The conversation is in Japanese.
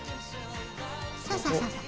そうそうそうそう。